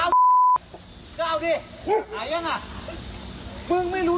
กูรู้กูหัดร้อนแล้วกูรู้